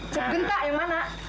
cepgenta yang mana